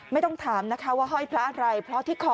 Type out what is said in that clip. ไม่ต้องถามนะคะว่าห้อยพระอะไร